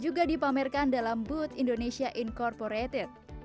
juga dipamerkan dalam booth indonesia incorporated